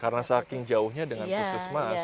karena saking jauhnya dengan puskesmas